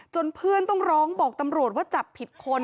เพื่อนต้องร้องบอกตำรวจว่าจับผิดคน